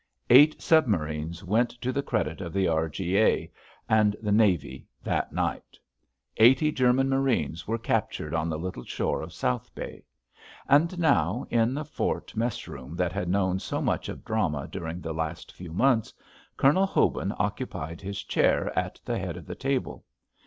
Eight submarines went to the credit of the R.G.A. and the Navy that night; eighty German marines were captured on the little shore of South Bay. And now, in the fort mess room that had known so much of drama during the last few months, Colonel Hobin occupied his chair at the head of the table.